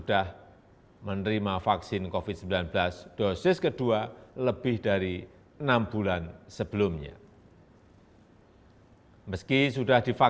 yang terakhir adalah penerimaan covid sembilan belas